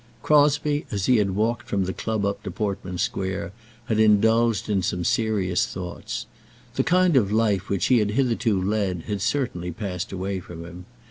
Crosbie, as he had walked from the club up to Portman Square, had indulged in some serious thoughts. The kind of life which he had hitherto led had certainly passed away from him.